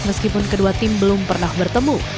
meskipun kedua tim belum pernah bertemu